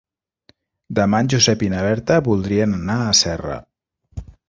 Demà en Josep i na Berta voldrien anar a Serra.